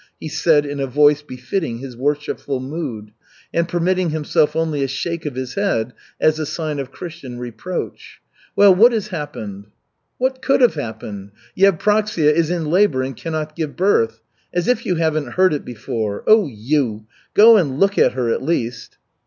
he said in a voice befitting his worshipful mood, and permitting himself only a shake of his head as a sign of Christian reproach. "Well, what has happened?" "What could have happened? Yevpraksia is in labor and cannot give birth. As if you haven't heard it before. Oh, you! Go and look at her at least."